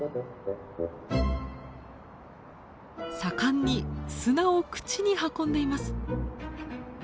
盛んに砂を口に運んでいます。